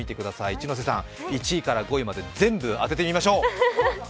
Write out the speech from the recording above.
一ノ瀬さん、１位から５位まで全部当ててみましょう。